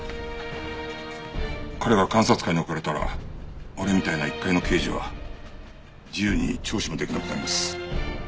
彼が監察下に置かれたら俺みたいな一介の刑事は自由に聴取ができなくなります。